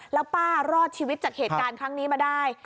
แล้วป้ารอดชีวิตจากเหตุการณ์ครั้งนี้มาได้